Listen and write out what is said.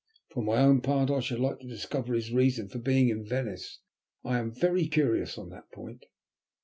"For my own part I should like to discover his reason for being in Venice. I am very curious on that point."